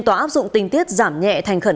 tòa áp dụng tinh tiết giảm nhẹ thành khẩn